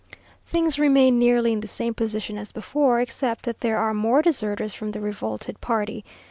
Things remain nearly in the same position as before, except that there are more deserters from the revolted party.